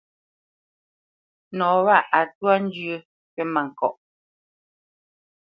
Nɔ wâ a twá nzyə̌ʼ kywítmâŋkɔʼ.